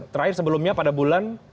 terakhir sebelumnya pada bulan